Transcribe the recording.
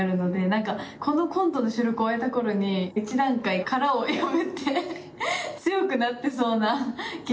なんかこのコントの収録を終えた頃に一段階殻を破って強くなってそうな気がします。